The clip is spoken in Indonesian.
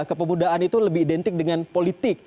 kepemudaan itu lebih identik dengan politik